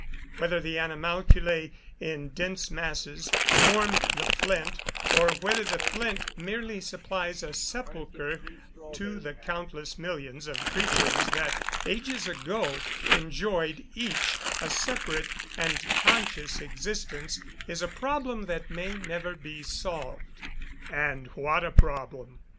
Whether the animalculæ, in dense masses, form the flint; or whether the flint merely supplies a sepulchre to the countless millions of creatures that, ages ago, enjoyed each a separate and conscious existence, is a problem that may never be solved. And what a problem!